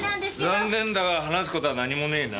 残念だが話すことは何もねえな。